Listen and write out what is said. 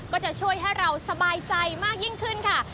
ก็จะช่วยให้เราสบายใจมากยิ่งขึ้นค่ะ